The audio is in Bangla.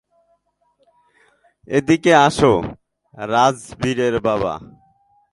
এদিকে আসো রাজবীরের বাবা।